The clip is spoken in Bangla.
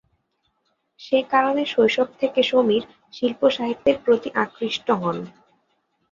সে-কারণে শৈশব থেকে সমীর শিল্প-সাহিত্যের প্রতি আকৃষ্ট হন।